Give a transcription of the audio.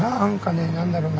何だろうな。